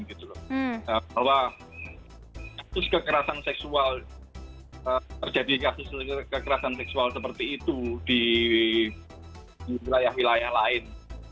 bahwa kasus kekerasan seksual terjadi kasus kekerasan seksual seperti itu di wilayah wilayah lain